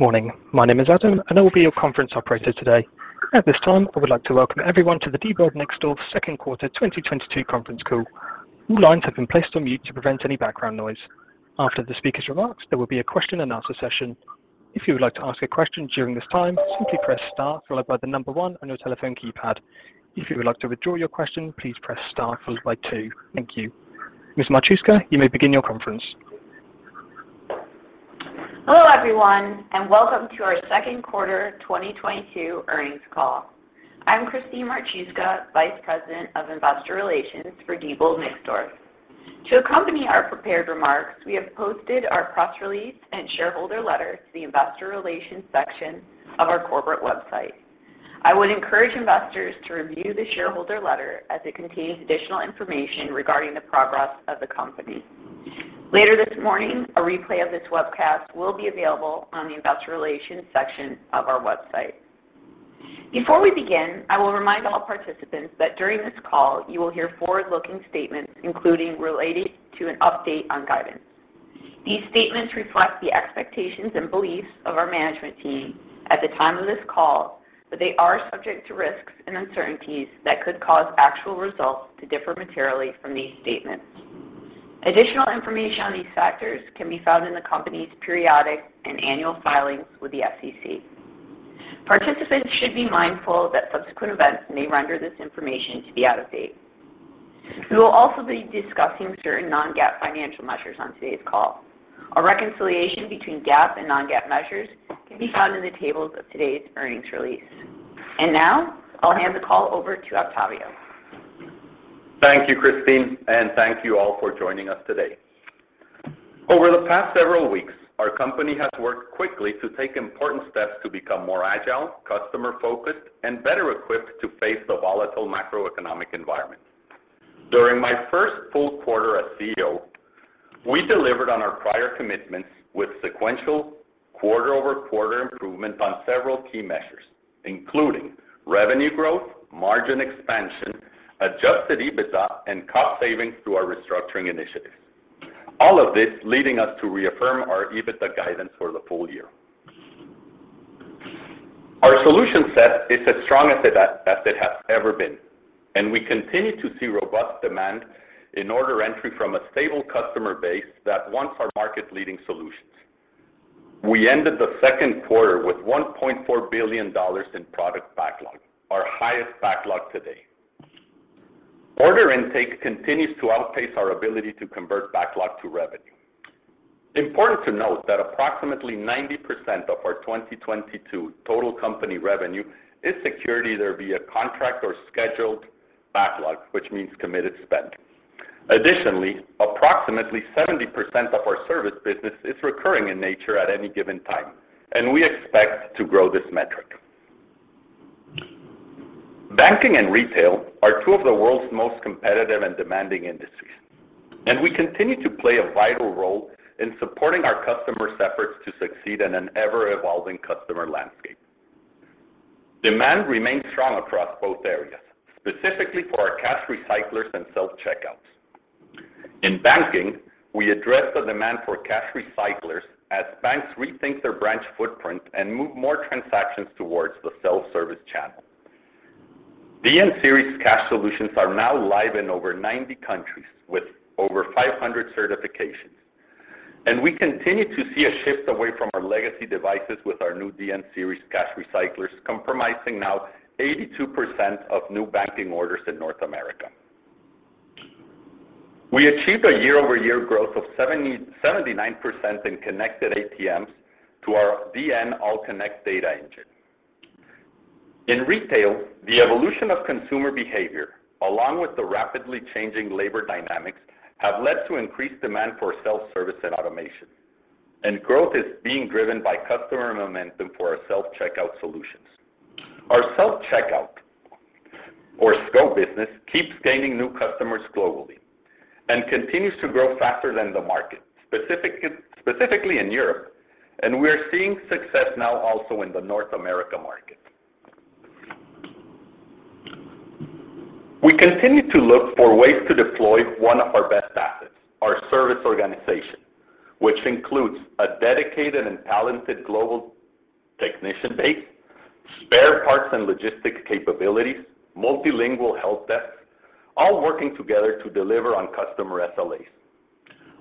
Morning. My name is Adam, and I will be your conference operator today. At this time, I would like to welcome everyone to the Diebold Nixdorf second quarter 2022 conference call. All lines have been placed on mute to prevent any background noise. After the speaker's remarks, there will be a question-and-answer session. If you would like to ask a question during this time, simply press Star followed by the number one on your telephone keypad. If you would like to withdraw your question, please press Star followed by two. Thank you. Ms. Marchuska, you may begin your conference. Hello, everyone, and welcome to our second quarter 2022 earnings call. I'm Christine Marchuska, Vice President of Investor Relations for Diebold Nixdorf. To accompany our prepared remarks, we have posted our press release and shareholder letter to the investor relations section of our corporate website. I would encourage investors to review the shareholder letter as it contains additional information regarding the progress of the company. Later this morning, a replay of this webcast will be available on the investor relations section of our website. Before we begin, I will remind all participants that during this call, you will hear forward-looking statements including related to an update on guidance. These statements reflect the expectations and beliefs of our management team at the time of this call, but they are subject to risks and uncertainties that could cause actual results to differ materially from these statements. Additional information on these factors can be found in the company's periodic and annual filings with the SEC. Participants should be mindful that subsequent events may render this information to be out of date. We will also be discussing certain non-GAAP financial measures on today's call. A reconciliation between GAAP and non-GAAP measures can be found in the tables of today's earnings release. Now, I'll hand the call over to Octavio. Thank you, Christine, and thank you all for joining us today. Over the past several weeks, our company has worked quickly to take important steps to become more agile, customer-focused, and better equipped to face the volatile macroeconomic environment. During my first full quarter as CEO, we delivered on our prior commitments with sequential quarter-over-quarter improvement on several key measures, including revenue growth, margin expansion, adjusted EBITDA, and cost savings through our restructuring initiatives. All of this leading us to reaffirm our EBITDA guidance for the full year. Our solution set is as strong as it has ever been, and we continue to see robust demand in order entry from a stable customer base that wants our market-leading solutions. We ended the second quarter with $1.4 billion in product backlog, our highest backlog to date. Order intake continues to outpace our ability to convert backlog to revenue. Important to note that approximately 90% of our 2022 total company revenue is secured by a contract or scheduled backlog, which means committed spend. Additionally, approximately 70% of our service business is recurring in nature at any given time, and we expect to grow this metric. Banking and retail are two of the world's most competitive and demanding industries, and we continue to play a vital role in supporting our customers' efforts to succeed in an ever-evolving customer landscape. Demand remains strong across both areas, specifically for our cash recyclers and self-checkouts. In banking, we address the demand for cash recyclers as banks rethink their branch footprint and move more transactions towards the self-service channel. DN Series cash solutions are now live in over 90 countries with over 500 certifications, and we continue to see a shift away from our legacy devices with our new DN Series cash recyclers comprising now 82% of new banking orders in North America. We achieved a year-over-year growth of 79% in connected ATMs to our DN AllConnect Data Engine. In retail, the evolution of consumer behavior, along with the rapidly changing labor dynamics, have led to increased demand for self-service and automation, and growth is being driven by customer momentum for our self-checkout solutions. Our self-checkout or SCO business keeps gaining new customers globally and continues to grow faster than the market, specifically in Europe, and we are seeing success now also in the North America market. We continue to look for ways to deploy one of our best assets, our service organization, which includes a dedicated and talented global technician base, spare parts and logistics capabilities, multilingual help desks, all working together to deliver on customer SLA.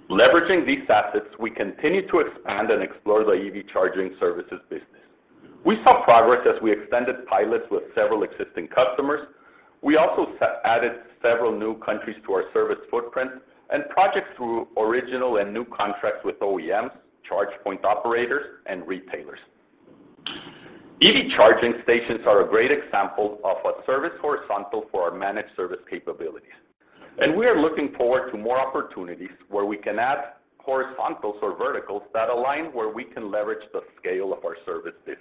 Leveraging these assets, we continue to expand and explore the EV charging services business. We saw progress as we extended pilots with several existing customers. We also added several new countries to our service footprint and projects through original and new contracts with OEM, charge point operators, and retailers. EV charging stations are a great example of a service horizontal for our managed service capabilities, and we are looking forward to more opportunities where we can add horizontals or verticals that align where we can leverage the scale of our service business.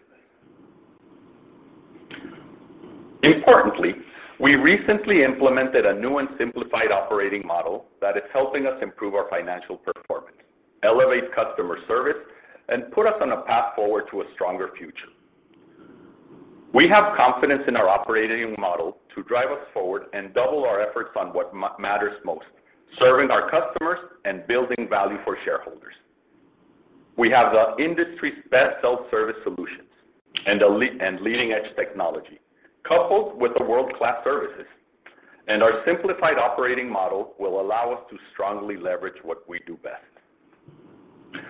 Importantly, we recently implemented a new and simplified operating model that is helping us improve our financial performance, elevate customer service, and put us on a path forward to a stronger future. We have confidence in our operating model to drive us forward and double our efforts on what matters most, serving our customers and building value for shareholders. We have the industry's best self-service solutions and leading-edge technology, coupled with the world-class services, and our simplified operating model will allow us to strongly leverage what we do best.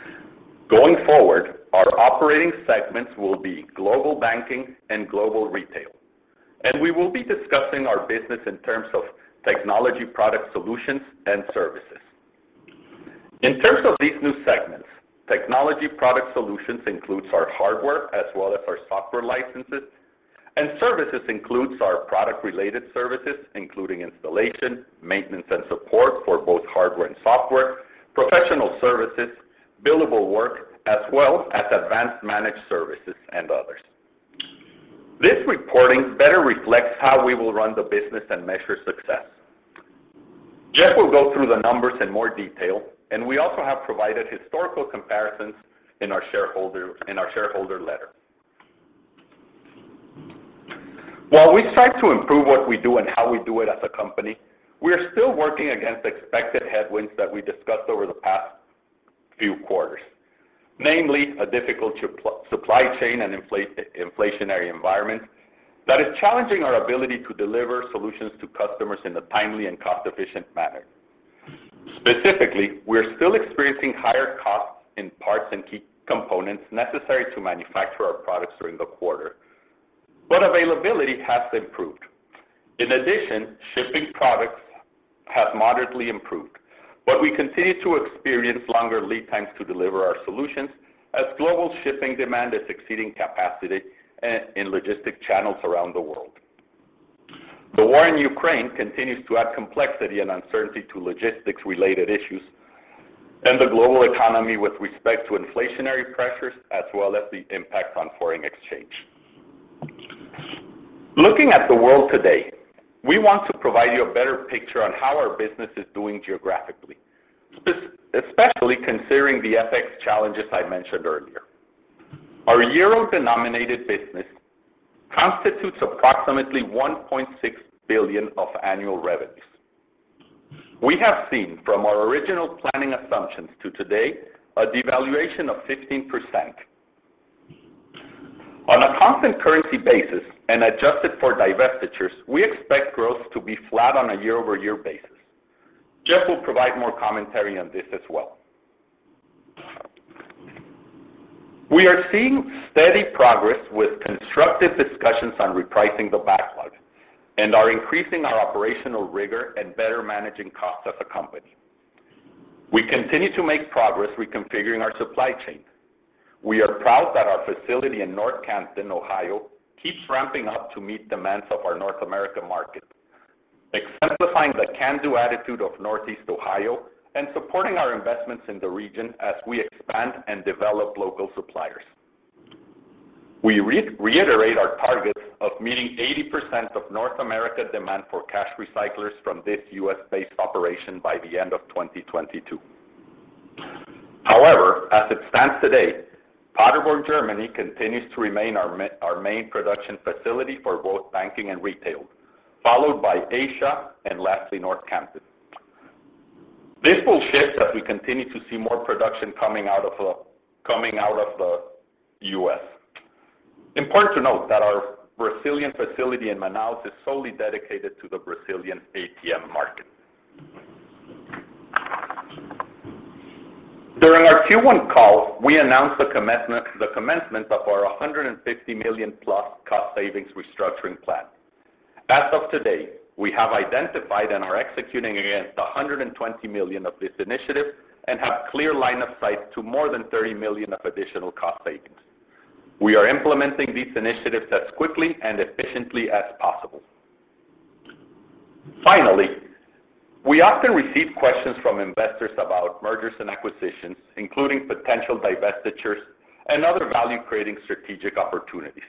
Going forward, our operating segments will be global banking and global retail, and we will be discussing our business in terms of technology product solutions and services. In terms of these new segments, technology product solution includes our hardware as well as our software licenses, and services includes our product-related services, including installation, maintenance and support for both hardware and software, professional services, billable work, as well as advanced managed services and others. This reporting better reflects how we will run the business and measure success. Jeff will go through the numbers in more detail, and we also have provided historical comparisons in our shareholder letter. While we strive to improve what we do and how we do it as a company, we are still working against expected headwinds that we discussed over the past few quarters, namely a difficult supply chain and inflationary environment that is challenging our ability to deliver solutions to customers in a timely and cost-efficient manner. Specifically, we're still experiencing higher costs in parts and key components necessary to manufacture our products during the quarter. Availability has improved. In addition, shipping products have moderately improved, but we continue to experience longer lead times to deliver our solutions as global shipping demand is exceeding capacity in logistic channels around the world. The war in Ukraine continues to add complexity and uncertainty to logistics-related issues and the global economy with respect to inflationary pressures as well as the impact on foreign exchange. Looking at the world today, we want to provide you a better picture on how our business is doing geographically, especially considering the FX challenges I mentioned earlier. Our euro-denominated business constitutes approximately 1.6 billion of annual revenues. We have seen from our original planning assumptions to today a devaluation of 15%. On a constant currency basis and adjusted for divestitures, we expect growth to be flat on a year-over-year basis. Jeff will provide more commentary on this as well. We are seeing steady progress with constructive discussions on repricing the backlog and are increasing our operational rigor and better managing costs as a company. We continue to make progress reconfiguring our supply chain. We are proud that our facility in North Canton, Ohio, keeps ramping up to meet demands of our North America market, exemplifying the can-do attitude of Northeast Ohio and supporting our investments in the region as we expand and develop local suppliers. We reiterate our targets of meeting 80% of North America demand for cash recyclers from this US-based operation by the end of 2022. However, as it stands today, Paderborn, Germany, continues to remain our main production facility for both banking and retail, followed by Asia and lastly North Canton. This will shift as we continue to see more production coming out of the US. Important to note that our Brazilian facility in Manaus is solely dedicated to the Brazilian ATM market. During our Q1 call, we announced the commencement of our $150 million-plus cost savings restructuring plan. As of today, we have identified and are executing against $120 million of this initiative and have clear line of sight to more than $30 million of additional cost savings. We are implementing these initiatives as quickly and efficiently as possible. Finally, we often receive questions from investors about mergers and acquisitions, including potential divestitures and other value-creating strategic opportunities.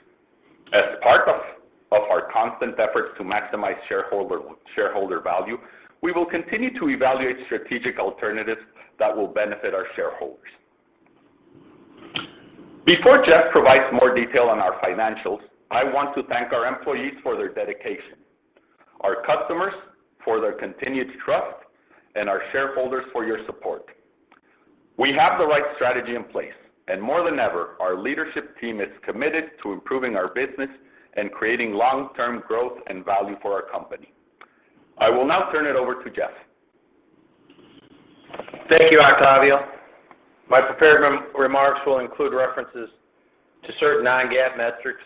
As part of our constant efforts to maximize shareholder value, we will continue to evaluate strategic alternatives that will benefit our shareholders. Before Jeff provides more detail on our financials, I want to thank our employees for their dedication, our customers for their continued trust, and our shareholders for your support. We have the right strategy in place, and more than ever, our leadership team is committed to improving our business and creating long-term growth and value for our company. I will now turn it over to Jeff. Thank you, Octavio. My prepared remarks will include references to certain non-GAAP metrics,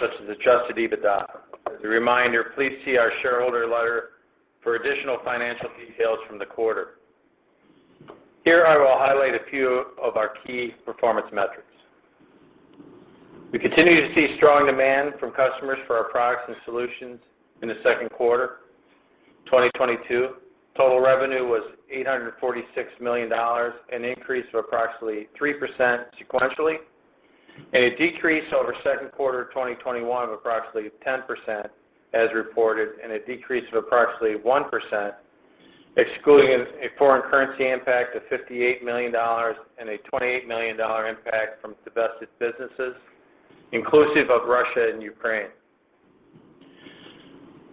such as adjusted EBITDA. As a reminder, please see our shareholder letter for additional financial details from the quarter. Here I will highlight a few of our key performance metrics. We continue to see strong demand from customers for our products and solutions in the second quarter 2022. Total revenue was $846 million, an increase of approximately 3% sequentially, and a decrease over second quarter of 2021 of approximately 10% as reported, and a decrease of approximately 1%, excluding a foreign currency impact of $58 million and a $28 million impact from divested businesses inclusive of Russia and Ukraine.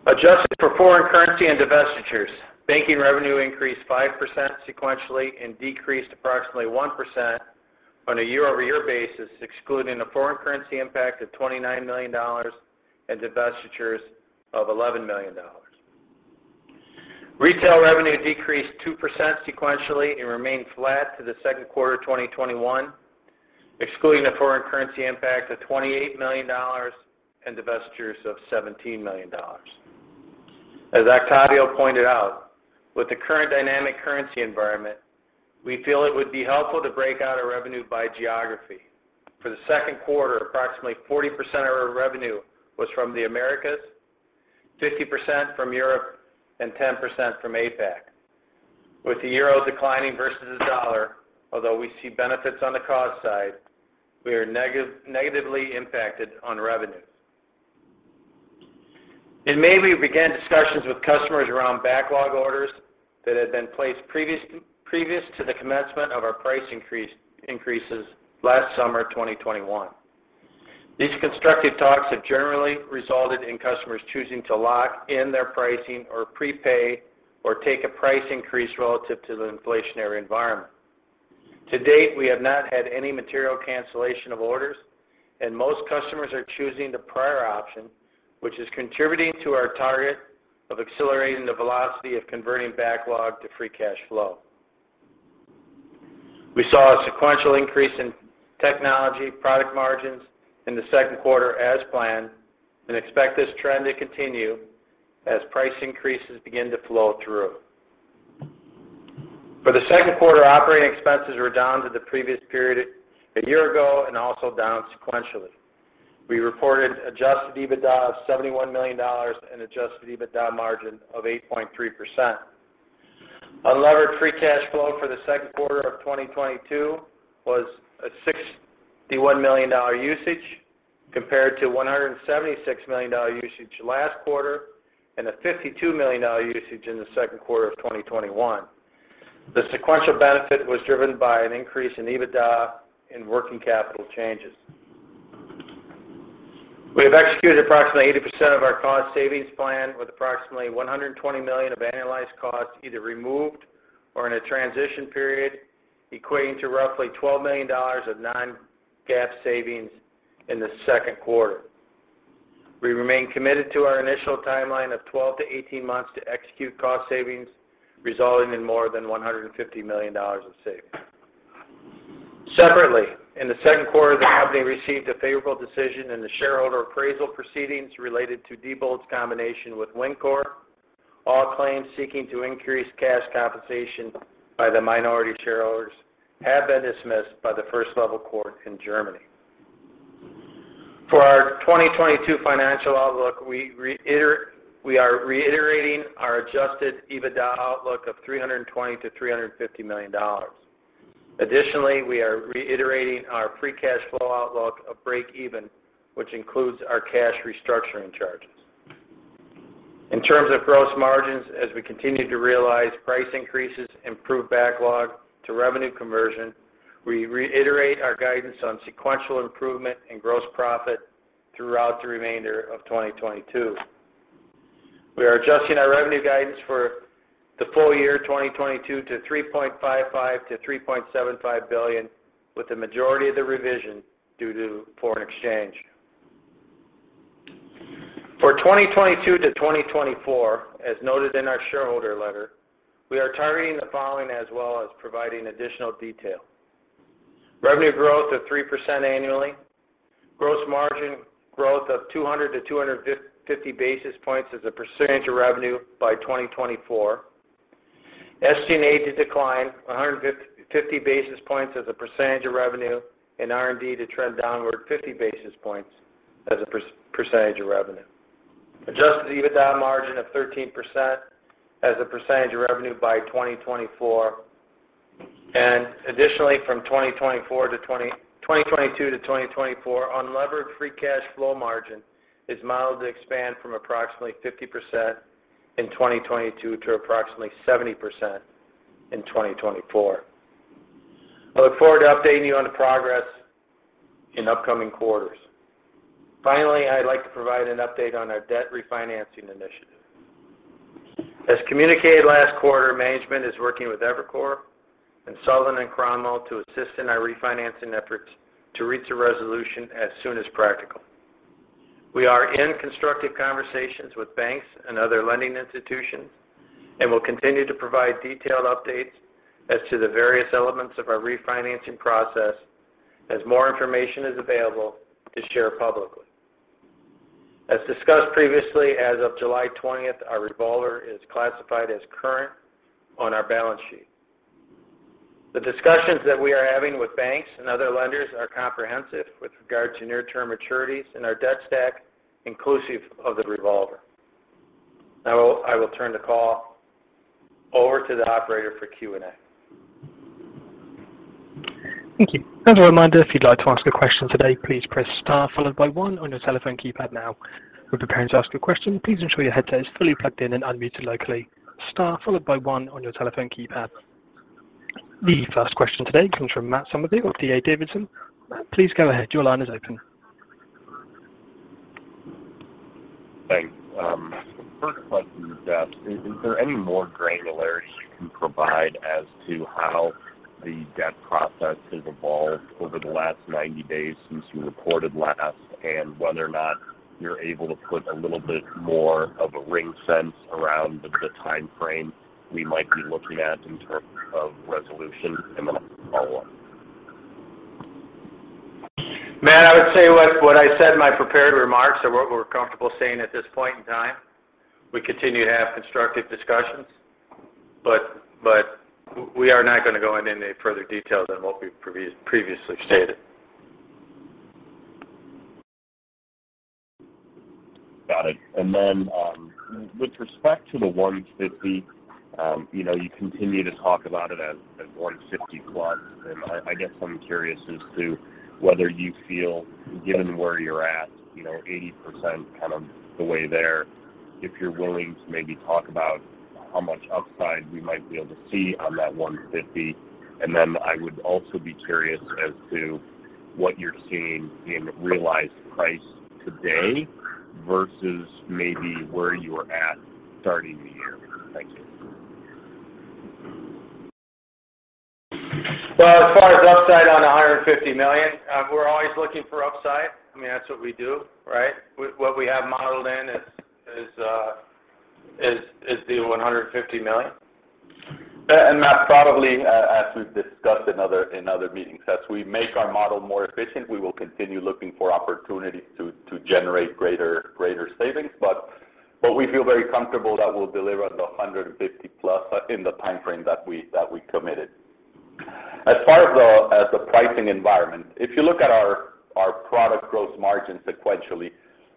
Adjusted for foreign currency and divestitures, banking revenue increased 5% sequentially and decreased approximately 1% on a year-over-year basis, excluding a foreign currency impact of $29 million and divestitures of $11 million. Retail revenue decreased 2% sequentially and remained flat to the second quarter of 2021, excluding a foreign currency impact of $28 million and divestitures of $17 million. As Octavio pointed out, with the current dynamic currency environment, we feel it would be helpful to break out our revenue by geography. For the second quarter, approximately 40% of our revenue was from the Americas, 50% from Europe, and 10% from APAC. With the euro declining versus the dollar, although we see benefits on the cost side, we are negatively impacted on revenues. In May, we began discussions with customers around backlog orders that had been placed previous to the commencement of our price increases last summer, 2021. These constructive talks have generally resulted in customers choosing to lock in their pricing or prepay or take a price increase relative to the inflationary environment. To date, we have not had any material cancellation of orders, and most customers are choosing the prior option, which is contributing to our target of accelerating the velocity of converting backlog to free cash flow. We saw a sequential increase in technology product margins in the second quarter as planned and expect this trend to continue as price increases begin to flow through. For the second quarter, operating expenses were down from the previous period a year ago and also down sequentially. We reported adjusted EBITDA of $71 million and adjusted EBITDA margin of 8.3%. Unlevered free cash flow for the second quarter of 2022 was a $61 million usage compared to $176 million usage last quarter and a $52 million usage in the second quarter of 2021. The sequential benefit was driven by an increase in EBITDA and working capital changes. We have executed approximately 80% of our cost savings plan with approximately $120 million of annualized costs either removed or in a transition period, equating to roughly $12 million of non-GAAP savings in the second quarter. We remain committed to our initial timeline of 12-18 months to execute cost savings, resulting in more than $150 million in savings. Separately, in the second quarter, the company received a favorable decision in the shareholder appraisal proceedings related to Diebold Nixdorf's combination with Wincor Nixdorf. All claims seeking to increase cash compensation by the minority shareholders have been dismissed by the first level court in Germany. For our 2022 financial outlook, we are reiterating our adjusted EBITDA outlook of $320 million-$350 million. Additionally, we are reiterating our free cash flow outlook of breakeven, which includes our cash restructuring charges. In terms of gross margins, as we continue to realize price increases improve backlog to revenue conversion, we reiterate our guidance on sequential improvement in gross profit throughout the remainder of 2022. We are adjusting our revenue guidance for the full year 2022 to $3.55 billion-$3.75 billion, with the majority of the revision due to foreign exchange. For 2022 to 2024, as noted in our shareholder letter, we are targeting the following as well as providing additional detail. Revenue growth of 3% annually. Gross margin growth of 200 to 250 basis points as a percentage of revenue by 2024. SG&A to decline 150 basis points as a percentage of revenue, and R&D to trend downward 50 basis points as a percentage of revenue. Adjusted EBITDA margin of 13% as a percentage of revenue by 2024. 2022 to 2024, unlevered free cash flow margin is modeled to expand from approximately 50% in 2022 to approximately 70% in 2024. I look forward to updating you on the progress in upcoming quarters. Finally, I'd like to provide an update on our debt refinancing initiative. As communicated last quarter, management is working with Evercore and Sullivan & Cromwell to assist in our refinancing efforts to reach a resolution as soon as practical. We are in constructive conversations with banks and other lending institutions and will continue to provide detailed updates as to the various elements of our refinancing process as more information is available to share publicly. As discussed previously, as of July twentieth, our revolver is classified as current on our balance sheet. The discussions that we are having with banks and other lenders are comprehensive with regard to near-term maturities in our debt stack, inclusive of the revolver. Now I will turn the call over to the operator for Q&A. Thank you. As a reminder, if you'd like to ask a question today, please press star followed by one on your telephone keypad now. When preparing to ask a question, please ensure your headset is fully plugged in and unmuted locally. Star followed by one on your telephone keypad. The first question today comes from Matt Summerville of D.A. Davidson. Matt, please go ahead. Your line is open. Thanks. First question, Jeff. Is there any more granularity you can provide as to how the debt process has evolved over the last 90 days since you reported last, and whether or not you're able to put a little bit more of a ring-fence around the timeframe we might be looking at in terms of resolution? I have a follow-up. Matt, I would say what I said in my prepared remarks are what we're comfortable saying at this point in time. We continue to have constructive discussions, but we are not gonna go into any further details than what we've previously stated. Got it. With respect to the $150, you know, you continue to talk about it as $150+, and I guess I'm curious as to whether you feel, given where you're at, you know, 80% kind of the way there, if you're willing to maybe talk about how much upside we might be able to see on that $150. I would also be curious as to what you're seeing in realized price today versus maybe where you were at starting the year. Thank you. Well, as far as upside on the $150 million, we're always looking for upside. I mean, that's what we do, right? What we have modeled in is the $150 million. Matt, probably, as we've discussed in other meetings, as we make our model more efficient, we will continue looking for opportunities to generate greater savings. We feel very comfortable that we'll deliver the 150+ in the timeframe that we committed. As far as the pricing environment, if you look at our product gross margin sequentially,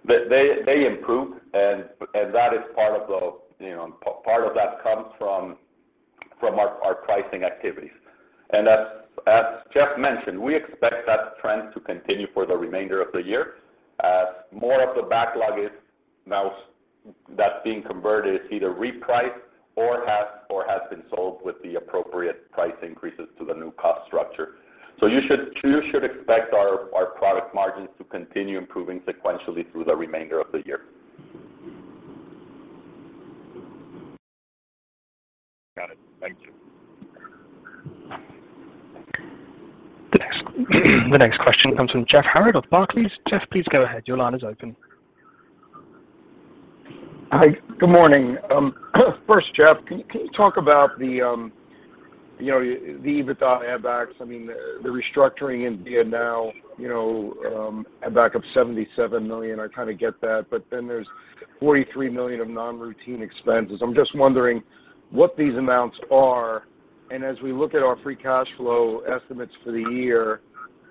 they improve and that is part of the, you know, part of that comes from our pricing activities. As Jeff mentioned, we expect that trend to continue for the remainder of the year as more of the backlog is now that's being converted is either repriced or has been sold with the appropriate price increases to the new cost structure. You should expect our product margins to continue improving sequentially through the remainder of the year. Got it. Thank you. The next question comes from Jeff Harlib of Barclays. Jeff, please go ahead. Your line is open. Hi. Good morning. First, Jeff, can you talk about the, you know, the EBITDA add backs? I mean, the restructuring in India now, you know, add back up $77 million, I kind of get that. But then there's $43 million of non-routine expenses. I'm just wondering what these amounts are, and as we look at our free cash flow estimates for the year,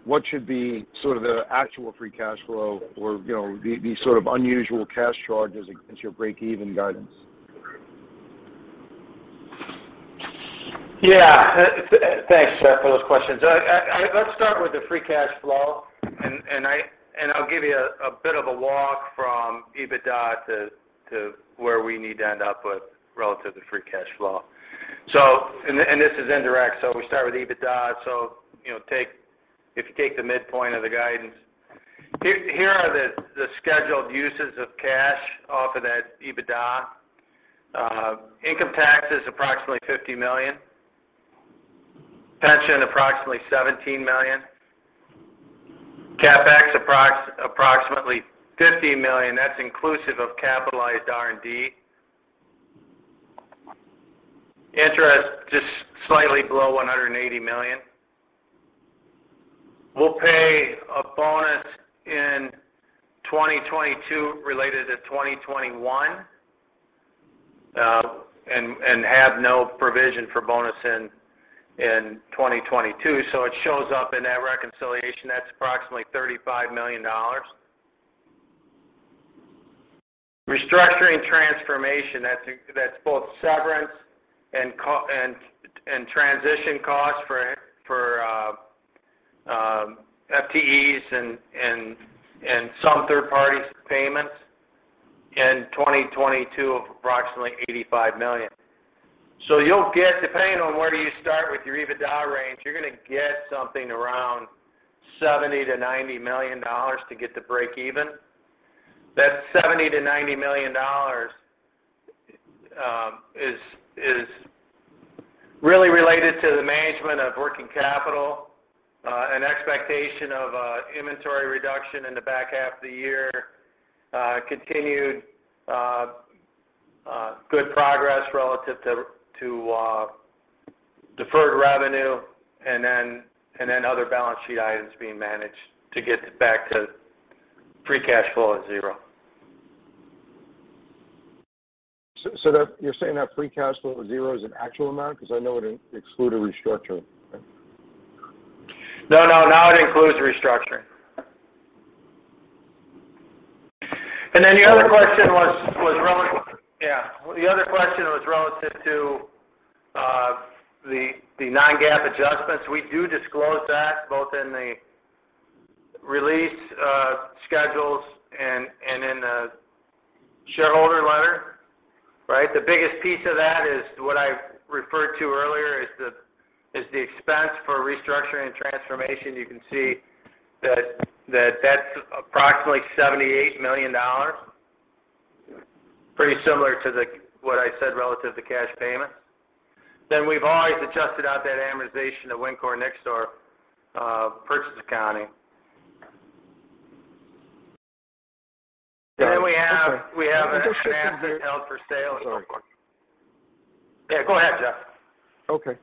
what should be sort of the actual free cash flow or, you know, the sort of unusual cash charges against your break even guidance? Yeah. Thanks, Jeff, for those questions. Let's start with the free cash flow, and I'll give you a bit of a walk from EBITDA to where we need to end up with relative to free cash flow. This is indirect, so we start with EBITDA. You know, if you take the midpoint of the guidance. Here are the scheduled uses of cash off of that EBITDA. Income tax is approximately $50 million. Pension, approximately $17 million. CapEx approximately $50 million. That's inclusive of capitalized R&D. Interest, just slightly below $180 million. We'll pay a bonus in 2022 related to 2021, and have no provision for bonus in 2022. It shows up in that reconciliation. That's approximately $35 million. Restructuring transformation, that's both severance and transition costs for FTE and some third parties' payments in 2022 of approximately $85 million. You'll get, depending on where you start with your EBITDA range, you're gonna get something around $70 million-$90 million to get to break even. That $70 million-$90 million is really related to the management of working capital, an expectation of inventory reduction in the back half of the year, continued good progress relative to deferred revenue, and then other balance sheet items being managed to get back to free cash flow at zero. You're saying that free cash flow at zero is an actual amount? 'Cause I know it excluded restructuring. No, no. Now it includes restructuring. The other question was relative to the non-GAAP adjustments. We do disclose that both in the release, schedules and in the shareholder letter, right? The biggest piece of that is what I referred to earlier is the expense for restructuring and transformation. You can see that that's approximately $78 million. Pretty similar to what I said relative to cash payments. We've always adjusted out that amortization of Wincor Nixdorf purchase accounting. We have assets held for sale. Yeah, go ahead, Jeff. Okay.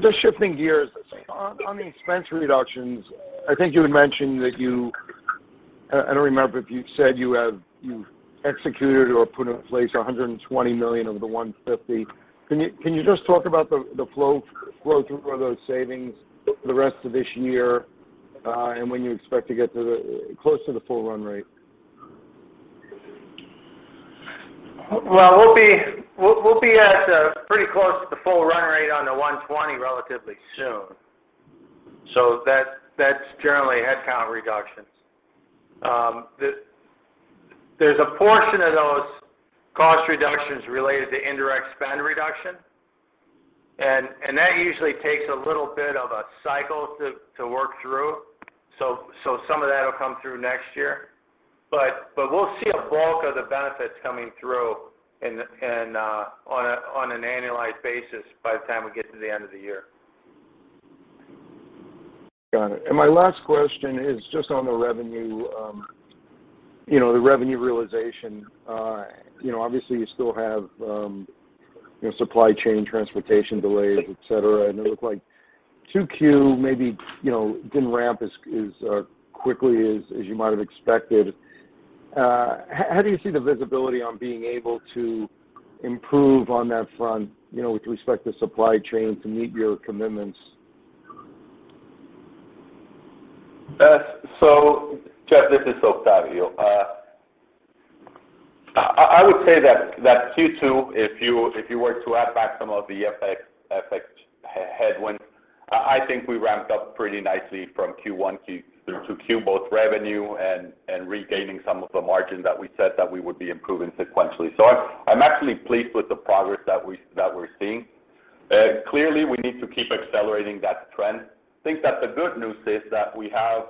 Just shifting gears, on the expense reductions, I think you had mentioned that you I don't remember if you said you've executed or put in place $120 million of the $150 million. Can you just talk about the flow through of those savings for the rest of this year, and when you expect to get close to the full run rate? We'll be at pretty close to the full run rate on the $120 relatively soon. That's generally headcount reductions. There's a portion of those cost reductions related to indirect spend reduction, and that usually takes a little bit of a cycle to work through. Some of that'll come through next year. We'll see a bulk of the benefits coming through on an annualized basis by the time we get to the end of the year. Got it. My last question is just on the revenue, you know, the revenue realization. You know, obviously you still have, you know, supply chain transportation delays, et cetera. It looks like 2Q maybe, you know, didn't ramp as quickly as you might have expected. How do you see the visibility on being able to improve on that front, you know, with respect to supply chain to meet your commitments? Jeff, this is Octavio. I would say that Q2, if you were to add back some of the FX headwinds, I think we ramped up pretty nicely from Q1 through to Q2, both revenue and regaining some of the margin that we said that we would be improving sequentially. I'm actually pleased with the progress that we're seeing. Clearly, we need to keep accelerating that trend. I think that the good news is that we have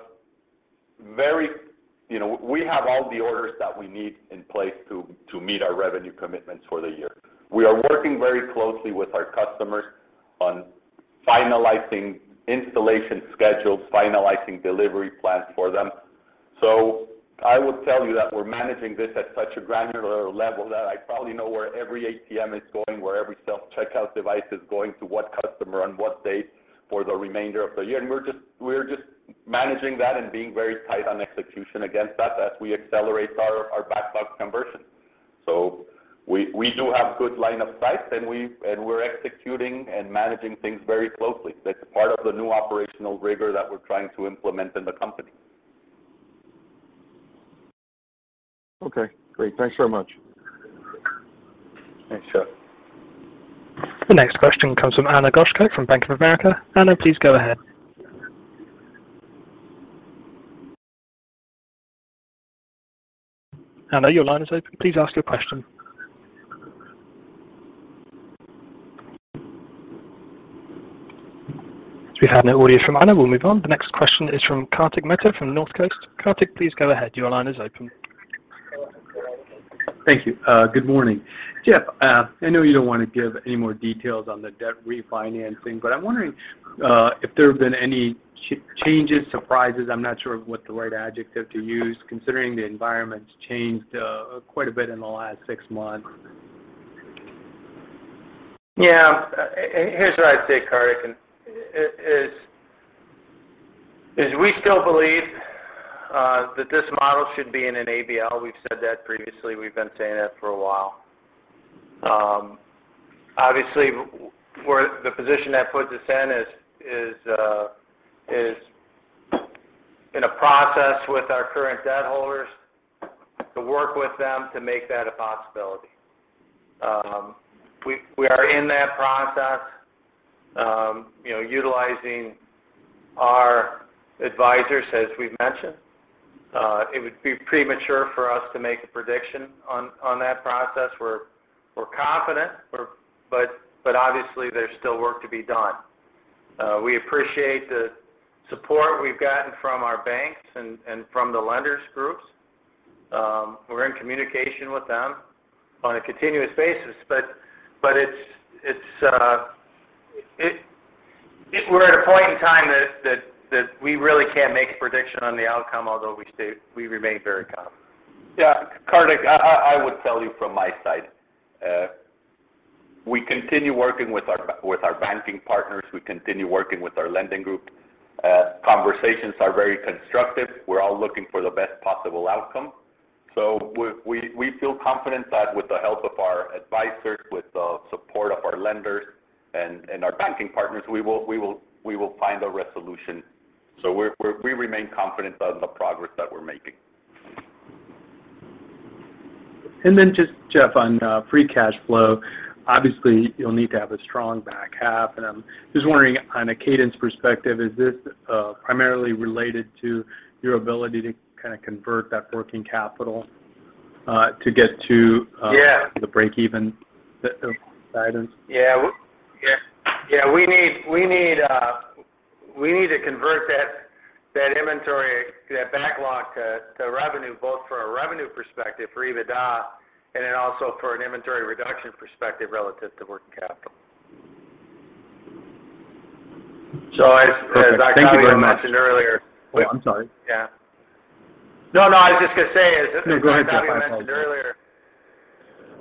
all the orders that we need in place to meet our revenue commitments for the year. You know, we are working very closely with our customers on finalizing installation schedules, finalizing delivery plans for them. I would tell you that we're managing this at such a granular level that I probably know where every ATM is going, where every self-checkout device is going to what customer on what date for the remainder of the year. We're just managing that and being very tight on execution against that as we accelerate our backlog conversion. We do have good line of sight, and we're executing and managing things very closely. That's part of the new operational rigor that we're trying to implement in the company. Okay, great. Thanks very much. Thanks, Jeff. The next question comes from Ana Goshko from Bank of America. Ana, please go ahead. Ana, your line is open. Please ask your question. As we have no audio from Ana, we'll move on. The next question is from Kartik Mehta from Northcoast Research. Kartik, please go ahead. Your line is open. Thank you. Good morning. Jeff, I know you don't want to give any more details on the debt refinancing, but I'm wondering if there have been any changes, surprises. I'm not sure of what the right adjective to use, considering the environment's changed quite a bit in the last six months. Yeah. Here's what I'd say, Kartik, and as we still believe that this model should be in an ABL. We've said that previously. We've been saying that for a while. Obviously, the position that puts us in is in a process with our current debt holders to work with them to make that a possibility. We are in that process, you know, utilizing our advisors, as we've mentioned. It would be premature for us to make a prediction on that process. We're confident, but obviously there's still work to be done. We appreciate the support we've gotten from our banks and from the lender's groups. We're in communication with them on a continuous basis, but it's, we're at a point in time that we really can't make a prediction on the outcome, although we remain very confident. Yeah. Kartik, I would tell you from my side, we continue working with our banking partners. We continue working with our lending group. Conversations are very constructive. We're all looking for the best possible outcome. We feel confident that with the help of our advisors, with the support of our lenders and our banking partners, we will find a resolution. We remain confident on the progress that we're making. Just Jeff, on free cash flow, obviously you'll need to have a strong back half, and I'm just wondering on a cadence perspective, is this primarily related to your ability to kind of convert that working capital to get to? Yeah The break-even guidance? We need to convert that inventory, that backlog to revenue, both for a revenue perspective for EBITDA, and then also for an inventory reduction perspective relative to working capital. Perfect. Thank you very much. As I mentioned earlier. Oh, I'm sorry. Yeah. No, no, I was just gonna say, No, go ahead. I apologize. I mentioned earlier.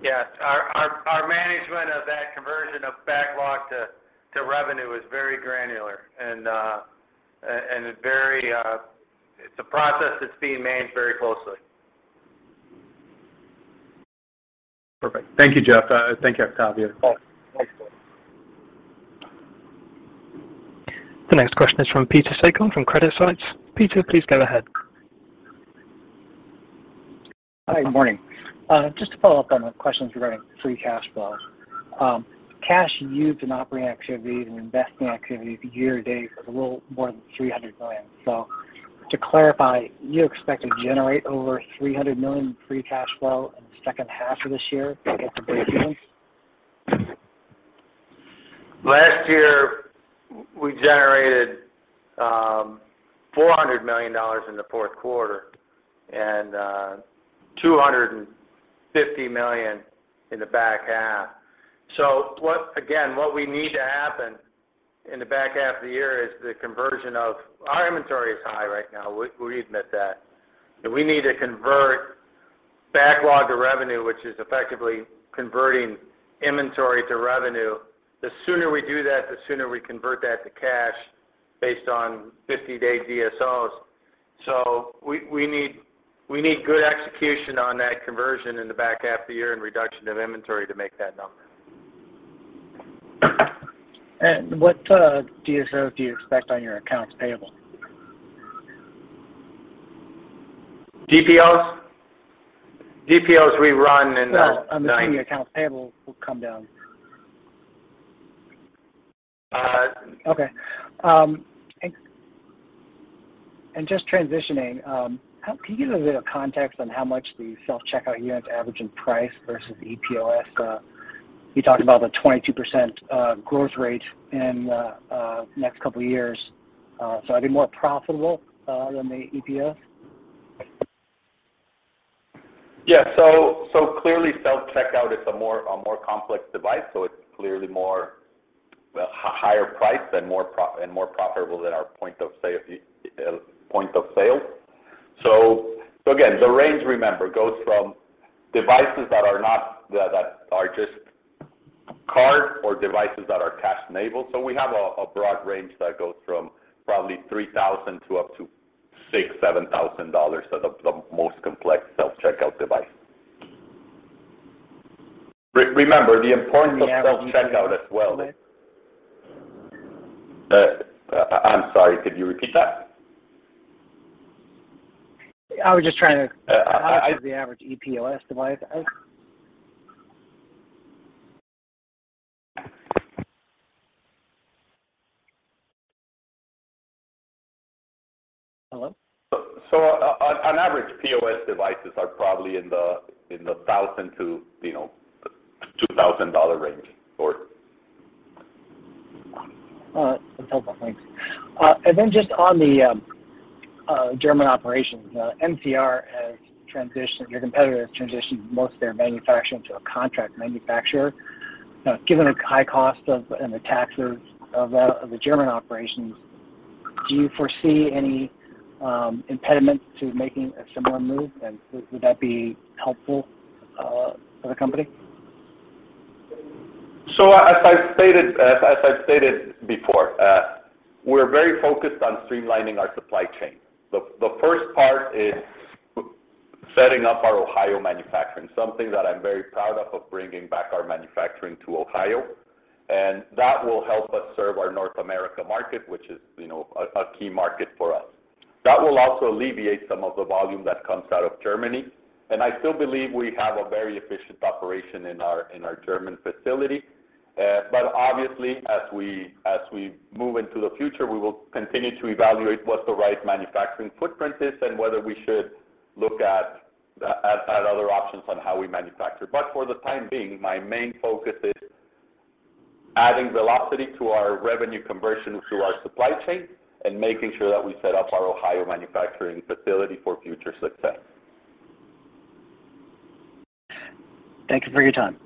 Yeah. Our management of that conversion of backlog to revenue is very granular and very. It's a process that's being managed very closely. Perfect. Thank you, Jeff. Thank you, Octavio. Of course. Thanks. The next question is from Peter Sakon from CreditSights. Peter, please go ahead. Hi. Good morning. Just to follow up on the questions regarding free cash flow, cash used in operating activities and investing activities year-to-date is a little more than $300 million. To clarify, you expect to generate over $300 million in free cash flow in the second half of this year to get to breakeven? Last year, we generated $400 million in the fourth quarter and $250 million in the back half. Again, what we need to happen in the back half of the year is the conversion of our inventory. Our inventory is high right now, we admit that, and we need to convert backlog to revenue, which is effectively converting inventory to revenue. The sooner we do that; the sooner we convert that to cash based on 50-day DSO. We need good execution on that conversion in the back half of the year and reduction of inventory to make that number. What DPO do you expect on your accounts payable? DPO? We run in the 90s. No, I'm assuming accounts payable will come down. Uh- Okay. Just transitioning, how can you give a bit of context on how much the self-checkout units average in price versus the EPOS? You talked about the 22% growth rate in the next couple of years. Are they more profitable than the EPOS? Yeah. Clearly, self-checkout is a more complex device, so it's clearly more, well, higher priced and more profitable than our point of sale. Again, the range, remember, goes from devices that are just card or devices that are cash enabled. We have a broad range that goes from probably $3,000 to up to $6,000-$7,000 for the most complex self-checkout device. Remember the importance of self-checkout as well. I'm sorry, could you repeat that? I was just trying to- Uh, I- How much is the average EPOS device? Hello? On average, POS devices are probably in the $1,000-$2,000 range for it. All right. That's helpful. Thanks. Then just on the German operations, your competitor has transitioned most of their manufacturing to a contract manufacturer. Now, given the high cost of, and the taxes of, the German operations, do you foresee any impediments to making a similar move, and would that be helpful for the company? As I've stated before, we're very focused on streamlining our supply chain. The first part is setting up our Ohio manufacturing, something that I'm very proud of bringing back our manufacturing to Ohio, and that will help us serve our North America market, which is a key market for us. That will also alleviate some of the volume that comes out of Germany, and I still believe we have a very efficient operation in our German facility. Obviously, as we move into the future, we will continue to evaluate what the right manufacturing footprint is and whether we should look at other options on how we manufacture. For the time being, my main focus is adding velocity to our revenue conversion through our supply chain and making sure that we set up our Ohio manufacturing facility for future success. Thank you for your time.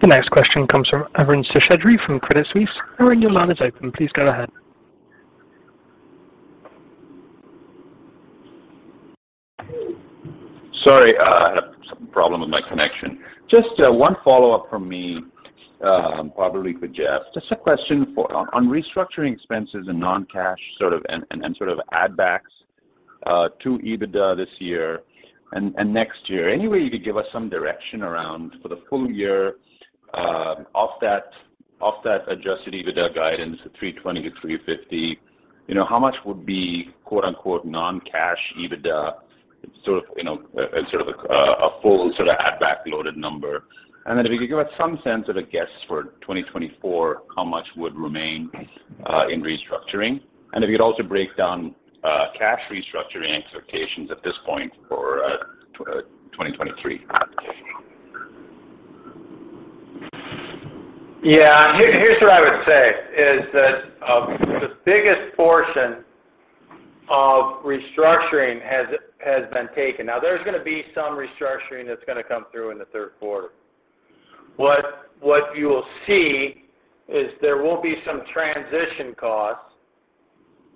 The next question comes from Arun Seshadri from Credit Suisse. Arun, your line is open. Please go ahead. Sorry, I had some problem with my connection. Just one follow-up from me, probably for Jeff. Just a question on restructuring expenses and non-cash sort of add backs to EBITDA this year and next year. Any way you could give us some direction around for the full year off that adjusted EBITDA guidance of $320-$350. You know, how much would be quote unquote non-cash EBITDA sort of you know sort of a full sort of add back loaded number? Then if you could give us some sense of a guess for 2024, how much would remain in restructuring? If you'd also break down cash restructuring expectations at this point for 2023. Here's what I would say is that the biggest portion of restructuring has been taken. Now, there's gonna be some restructuring that's gonna come through in the third quarter. What you will see is there will be some transition costs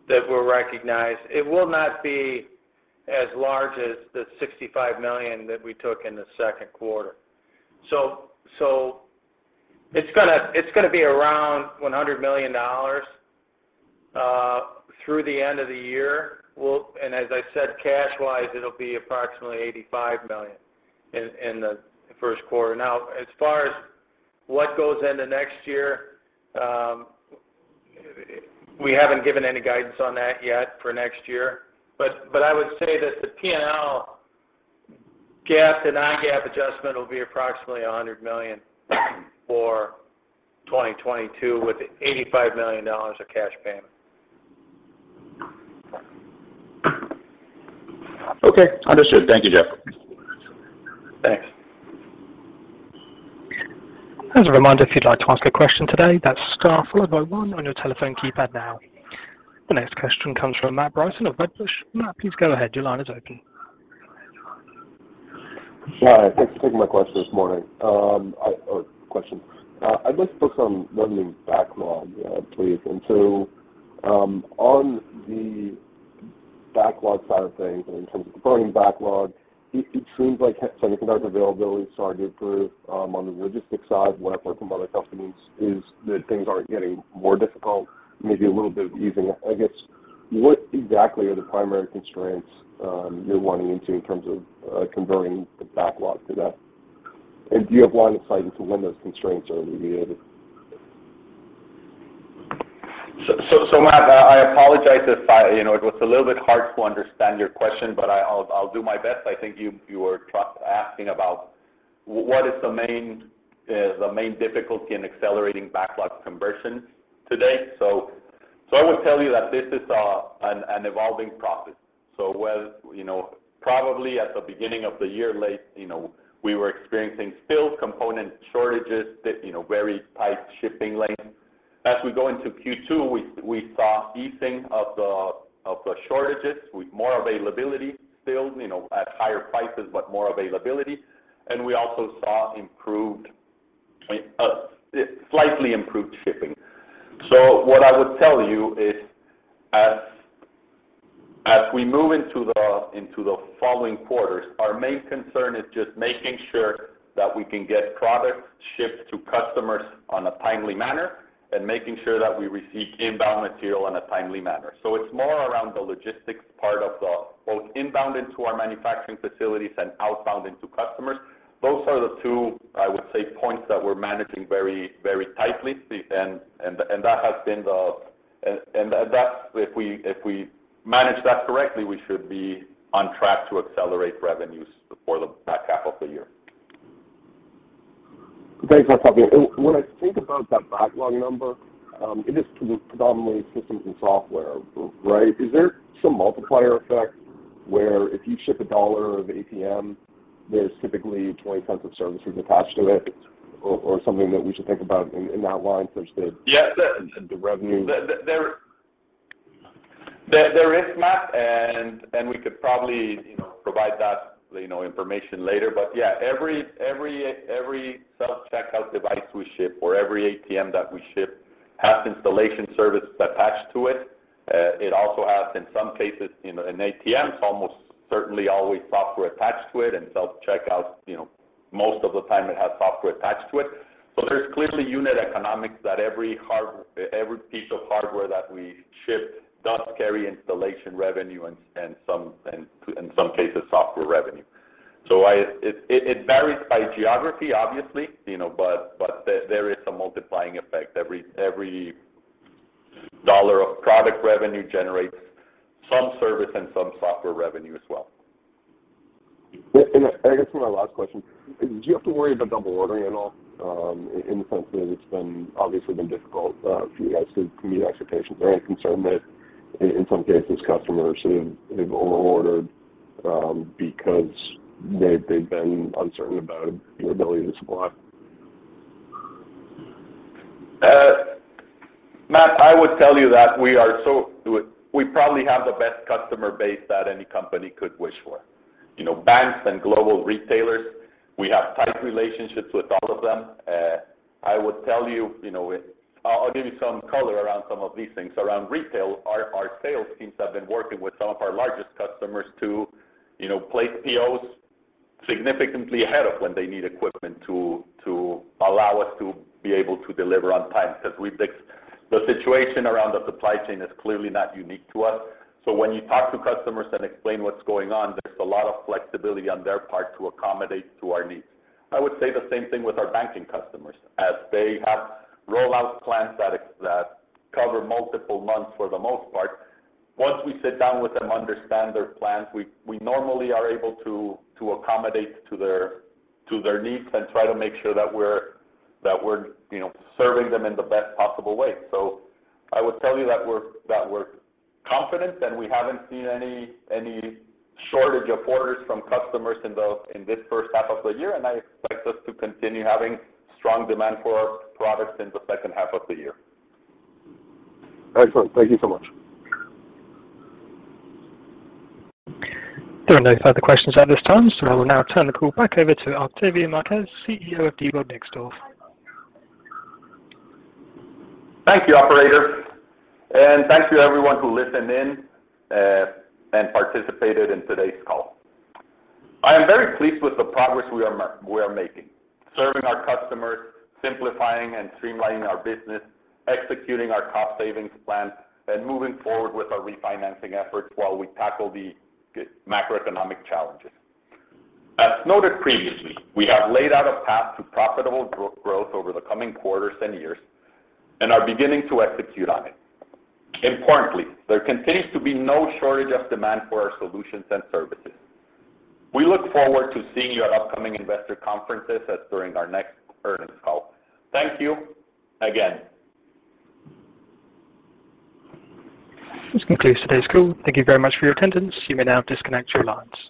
that were recognized. It will not be as large as the $65 million that we took in the second quarter. So, it's gonna be around $100 million through the end of the year. And as I said, cash-wise, it'll be approximately $85 million in the first quarter. Now, as far as what goes into next year, we haven't given any guidance on that yet for next year. But I would say that the P&L GAAP to non-GAAP adjustment will be approximately $100 million for 2022, with $85 million of cash payment. Okay. Understood. Thank you, Jeff. Thanks. As a reminder, if you'd like to ask a question today, that's star followed by one on your telephone keypad now. The next question comes from Matthew Bryson of Wedbush. Matt, please go ahead. Your line is open. Yeah. Thanks for taking my question this morning or questions. I'd like to focus on running backlog, please. On the backlog side of things and in terms of the growing backlog, it seems like semiconductor availability started to improve. On the logistics side when I've worked with other companies, is that things aren't getting more difficult, maybe a little bit easing. I guess what exactly are the primary constraints you're running into in terms of converting the backlog to that? Do you have line of sight into when those constraints are alleviated? Matt, I apologize if you know, it was a little bit hard to understand your question, but I'll do my best. I think you were asking about what is the main difficulty in accelerating backlog conversion today. I would tell you that this is an evolving process. Whereas you know, probably late last year, you know, we were experiencing still component shortages that you know, very tight shipping lanes. As we go into Q2, we saw easing of the shortages with more availability still, you know, at higher prices, but more availability. We also saw slightly improved shipping. What I would tell you is as we move into the following quarters, our main concern is just making sure that we can get products shipped to customers on a timely manner and making sure that we receive inbound material in a timely manner. It's more around the logistics part of the both inbound into our manufacturing facilities and outbound into customers. Those are the two, I would say, points that we're managing very, very tightly. If we manage that correctly, we should be on track to accelerate revenues for the back half of the year. Thanks. That's helpful. When I think about that backlog number, it is predominantly systems and software, right? Is there some multiplier effect where if you ship $1 of ATM, there's typically $0.20 of services attached to it or something that we should think about in that line in terms of? Yeah. the revenue. There is, Matt, and we could probably, you know, provide that, you know, information later. Yeah, every self-checkout device we ship or every ATM that we ship has installation service attached to it. It also has, in some cases, you know, an ATM. It's almost certainly always software attached to it. Self-checkout, you know, most of the time it has software attached to it. There's clearly unit economics that every piece of hardware that we ship does carry installation revenue and, in some cases, software revenue. It varies by geography, obviously, you know, but there is a multiplying effect. Every dollar of product revenue generates some service and some software revenue as well. I guess my last question, do you have to worry about double ordering at all? In the sense that it's been obviously difficult for you guys to meet expectations. Are you concerned that in some cases customers sort of they've over-ordered, because they've been uncertain about your ability to supply? Matt, I would tell you that we probably have the best customer base that any company could wish for. You know, banks and global retailers, we have tight relationships with all of them. I would tell you know, I'll give you some color around some of these things. Around retail, our sales teams have been working with some of our largest customers to, you know, place POs significantly ahead of when they need equipment to allow us to be able to deliver on time. Because the situation around the supply chain is clearly not unique to us. When you talk to customers and explain what's going on, there's a lot of flexibility on their part to accommodate to our needs. I would say the same thing with our banking customers. As they have rollout plans that cover multiple months for the most part, once we sit down with them, understand their plans, we normally are able to accommodate to their needs and try to make sure that we're, you know, serving them in the best possible way. I would tell you that we're confident, and we haven't seen any shortage of orders from customers in this first half of the year, and I expect us to continue having strong demand for our products in the second half of the year. Excellent. Thank you so much. There are no further questions at this time, so I will now turn the call back over to Octavio Marquez, CEO of Diebold Nixdorf. Thank you, operator, and thank you everyone who listened in and participated in today's call. I am very pleased with the progress we are making. Serving our customers, simplifying and streamlining our business, executing our cost savings plan, and moving forward with our refinancing efforts while we tackle the macroeconomic challenges. As noted previously, we have laid out a path to profitable growth over the coming quarters and years and are beginning to execute on it. Importantly, there continues to be no shortage of demand for our solutions and services. We look forward to seeing you at upcoming investor conferences and during our next earnings call. Thank you again. This concludes today's call. Thank you very much for your attendance. You may now disconnect your lines.